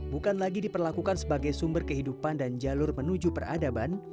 bukan lagi diperlakukan sebagai sumber kehidupan dan jalur menuju peradaban